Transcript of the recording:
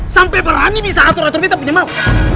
sampai berani bisa atur atur kita punya maw